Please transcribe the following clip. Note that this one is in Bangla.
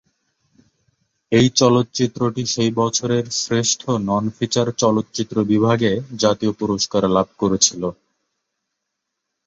এই চলচ্চিত্রটি সেই বছরের শ্রেষ্ঠ নন-ফিচার চলচ্চিত্র বিভাগে জাতীয় পুরস্কার লাভ করেছিল।